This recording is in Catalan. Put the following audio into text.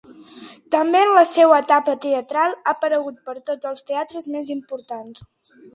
També en la seua etapa teatral ha aparegut per tots els teatres més importants.